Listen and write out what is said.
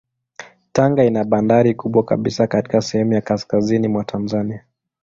Tanga ina bandari kubwa kabisa katika sehemu ya kaskazini mwa Tanzania.